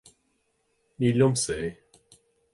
ní liomsa é